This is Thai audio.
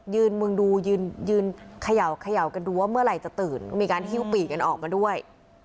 มึงดูยืนเขย่ากันดูว่าเมื่อไหร่จะตื่นมีการหิ้วปีกกันออกมาด้วย